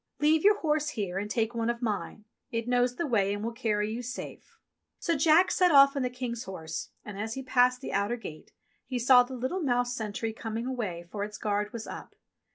Leave your horse here and take one of mine. It knows the way and will carry you safe." So Jack set oflf on the King's horse, and as he passed the outer gate he saw the little mouse sentry coming away, for its guard was up.